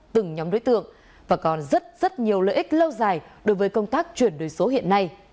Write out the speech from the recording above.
từng nhóm đối tượng và còn rất rất nhiều lợi ích lâu dài đối với công tác chuyển đổi số hiện nay